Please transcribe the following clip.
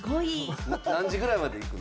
何時ぐらいまで行くの？